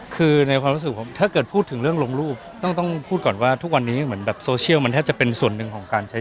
มันทำให้เรายากในการใช้ชีวิตไหมอยากไปไหนมาไหน